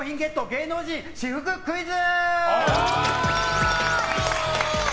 芸能人私服クイズ。